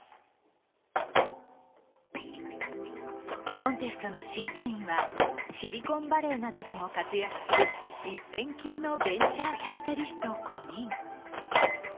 コンテストの審査員はシリコンバレーなどでも活躍する一線級のベンチャーキャピタリスト５人。